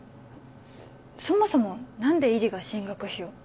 そもそも何で依里が進学費を？